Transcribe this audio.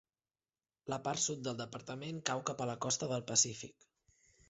La part sud del departament cau cap a la costa del Pacífic.